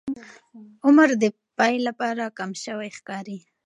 عمر د پیل لپاره کم شوی ښکاري.